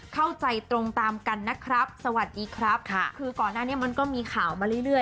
เข้าใจตรงตามกันนะครับสวัสดีครับค่ะคือก่อนหน้านี้มันก็มีข่าวมาเรื่อย